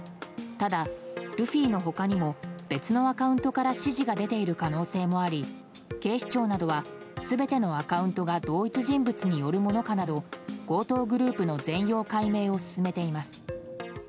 ただ、ルフィの他にも別のアカウントから指示が出ている可能性もあり警視庁などは全てのアカウントが同一人物によるものかなど強盗グループの全容解明を進めています。